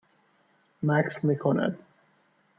مکث میکند